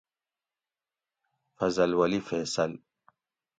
فضل ولی فیصل۟